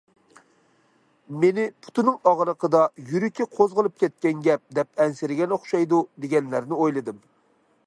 مېنى پۇتىنىڭ ئاغرىقىدا يۈرىكى قوزغىلىپ كەتكەن گەپ، دەپ ئەنسىرىگەن ئوخشايدۇ، دېگەنلەرنى ئويلىدىم.